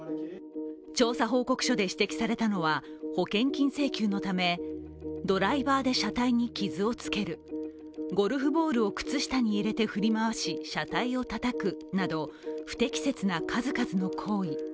調査報告書で指摘されたのは保険金請求のためドライバーで車体に傷をつける、ゴルフボールを靴下に入れて振り回し車体をたたくなど、不適切な数々の行為。